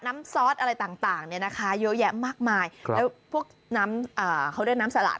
ซอสอะไรต่างเนี่ยนะคะเยอะแยะมากมายแล้วพวกน้ำเขาเรียกน้ำสละ